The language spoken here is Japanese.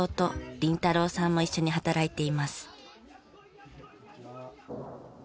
凜太朗さんも一緒に働いています。